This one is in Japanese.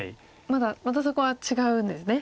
またそこは違うんですね